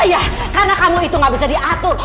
ya karena kamu itu gak bisa diatur